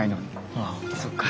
あっそっか。